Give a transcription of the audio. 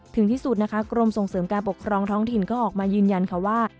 ถึงที่สุดนะคะกรมส่งเสริมการปกครองท้องถิ่นก็ออกมายืนยันค่ะว่า